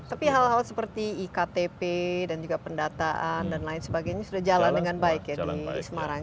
tapi hal hal seperti iktp dan juga pendataan dan lain sebagainya sudah jalan dengan baik ya di semarang